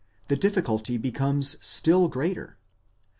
51, the difficulty becomes still greater.